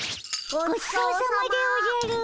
ごちそうさまでおじゃる。